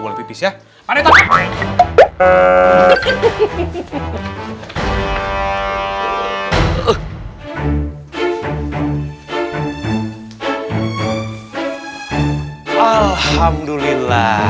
ntar deh ny